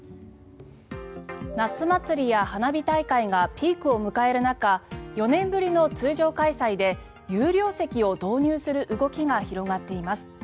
夏祭りや花火大会がピークを迎える中４年ぶりの通常開催で有料席を導入する動きが広がっています。